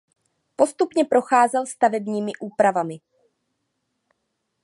Postupně procházel stavebními úpravami.